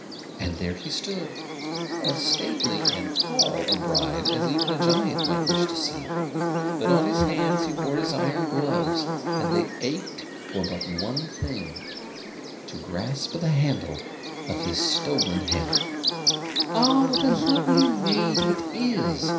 And there he stood, as stately and tall a bride as even a giant might wish to see; but on his hands he wore his iron gloves, and they ached for but one thing, to grasp the handle of the stolen hammer. [Illustration: "AH, WHAT A LOVELY MAID IT IS!"] "Ah, what a lovely maid it is!"